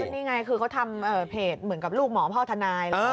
นี่ไงคือเขาทำเพจเหมือนกับลูกหมอพ่อทนาย